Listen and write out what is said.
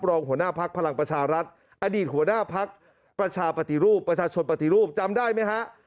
รองหัวหน้าพักพลังประชารัฐอดีตหัวหน้าพักประชาปฏิรูปประชาชนปฏิรูปจำได้ไหมฮะ